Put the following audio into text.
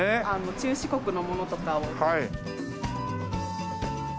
中四国のものとかを。